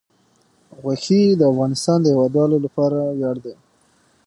غوښې د افغانستان د هیوادوالو لپاره ویاړ دی.